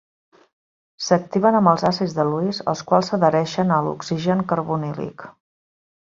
S'activen amb els àcids de Lewis, els quals s'adhereixen a l'oxigen carbonílic.